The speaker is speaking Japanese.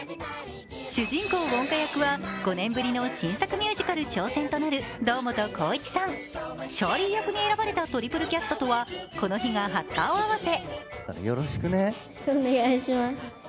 主人公、ウォンカ役は５年ぶりの新作ミュージカル挑戦となるチャーリー役に選ばれたトリプルキャストとはこの日が初顔合わせ。